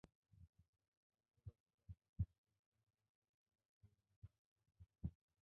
জানা গেল, চৌরাস্তা থেকে শ্রীপুরের নয়নপুর পর্যন্ত চার লেনের কাজ করেছে সেনাবাহিনী।